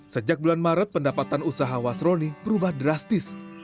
sejak bulan maret pendapatan usaha wasroni berubah drastis